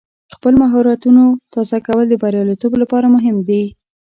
خپل مهارتونه تازه کول د بریالیتوب لپاره مهم دی.